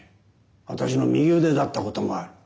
私の右腕だったこともある。